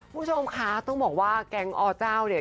คุณผู้ชมคะต้องบอกว่าแก๊งอเจ้าเนี่ย